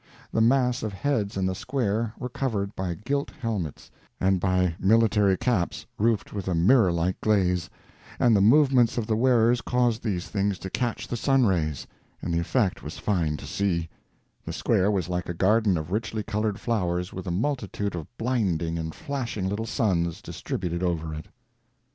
The mass of heads in the square were covered by gilt helmets and by military caps roofed with a mirror like glaze, and the movements of the wearers caused these things to catch the sun rays, and the effect was fine to see—the square was like a garden of richly colored flowers with a multitude of blinding and flashing little suns distributed over it.